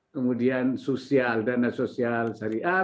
kemudian sosial dana sosial syariah